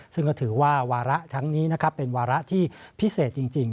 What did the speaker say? ซึ่งก็ถือว่าวาระทั้งนี้นะครับเป็นวาระที่พิเศษจริง